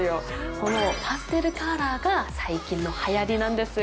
このパステルカラーが最近のはやりなんです。